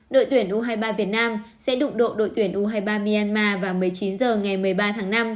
đội tuyển u hai mươi ba việt nam sẽ đụng độ đội tuyển u hai mươi ba myanmar vào một mươi chín h ngày một mươi ba tháng năm